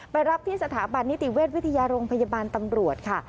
รับที่สถาบันนิติเวชวิทยาโรงพยาบาลตำรวจค่ะ